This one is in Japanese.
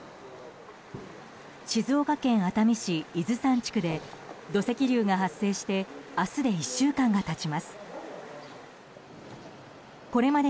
静岡県熱海市伊豆山地区で土石流が発生して明日で１週間が経ちます。